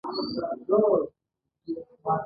پر مجرمینو جبري کارونه کېدل.